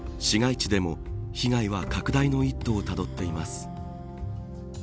市街地でも被害は拡大の一途をたどっています。